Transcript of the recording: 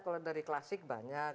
kalau dari klasik banyak